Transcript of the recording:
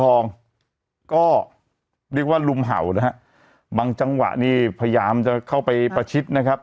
ทองก็เรียกว่าลุมเห่านะฮะบางจังหวะนี่พยายามจะเข้าไปประชิดนะครับ